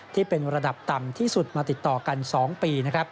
ที่เป็นระดับต่ำที่สุดมาติดต่อกัน๒ปี